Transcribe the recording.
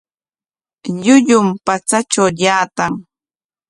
Llullum patsatraw llaatan.